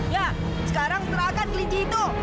ya sekarang serahkan kelinci itu